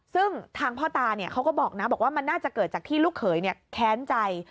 ซึ่งทางพ่อตาเขาก็บอกนะบอกว่ามันน่าจะเกิดจากที่ลูกเขยแค้นใจ